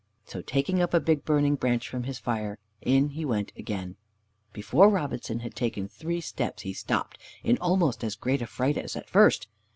So, taking up a big burning branch from his fire, in he went again. Before Robinson had taken three steps he stopped, in almost as great a fright as at first.